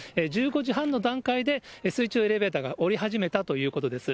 １５時半の段階で、水中エレベーターが下り始めたということです。